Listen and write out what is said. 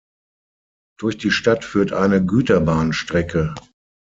Durch die Stadt führt eine Güterbahnstrecke.